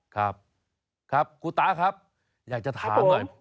ครับครับครูตาครับอยากจะถามหน่อย